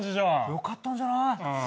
よかったんじゃない？